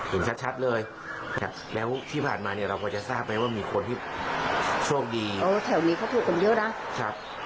ถึงชัดชัดเลยแล้วที่ผ่านมาเนี่ยเราก็จะทราบไหมว่ามีคนที่ช่วงดีโอ้แถวนี้เขาถูกกันเยอะนะครับ